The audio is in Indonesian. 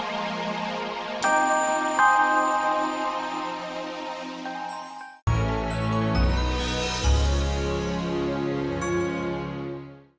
sampai jumpa di video selanjutnya